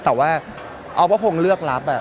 แต่ว่าออฟก็คงเลือกรับ